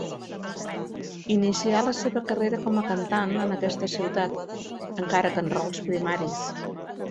Inicià la seva carrera com a cantant en aquesta ciutat, encara que en rols primaris.